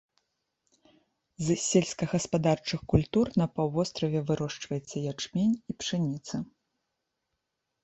З сельскагаспадарчых культур на паўвостраве вырошчваецца ячмень і пшаніца.